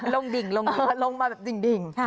ดิ่งลงมาแบบดิ่ง